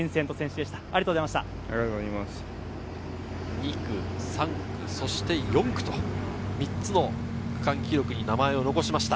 ２区３区４区と３つの区間記録に名前を残しました。